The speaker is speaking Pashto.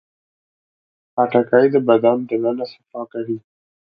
خټکی د بدن دننه صفا کوي.